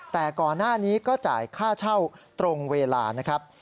แต่ก่อนหน้านี้ก็จ่ายค่าเช่าตรงเวลานะครับ